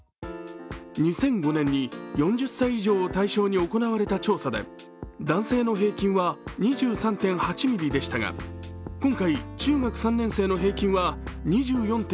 ２００５年に４０歳以上を対象に行われた調査で男性の平均は２３．８ｍｍでしたが今回、中学３年生の平均は２４．４ｍｍ。